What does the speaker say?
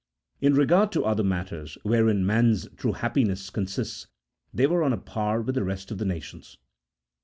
In re gard to other matters, wherein man's true happiness con sists, they were on a par with the rest of the nations.